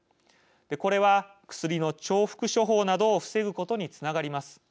これは薬の重複処方などを防ぐことにつながります。